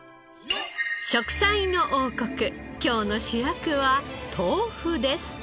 『食彩の王国』今日の主役は豆腐です。